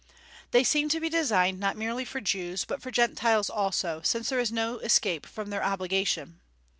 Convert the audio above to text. They seem to be designed not merely for Jews, but for Gentiles also, since there is no escape from their obligation.